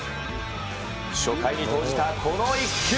初回に投じたこの１球。